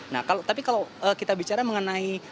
nah tapi kalau kita bicara mengenai